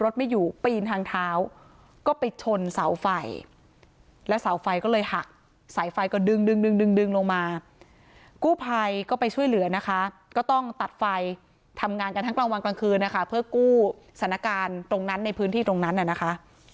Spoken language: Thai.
ดึงดึงดึงดึงลงมากู้ไภก็ไปช่วยเหลือนะคะก็ต้องตัดไฟทำงานกันทั้งกลางวันกลางคืนนะคะเพื่อกู้สถานการณ์ตรงนั้นในพื้นที่ตรงนั้นน่ะนะคะ